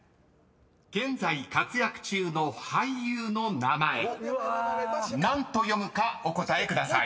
［現在活躍中の俳優の名前何と読むかお答えください］